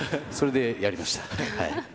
それでやりました。